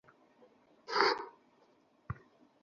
বাবা, এদিকে আসো না বাবা।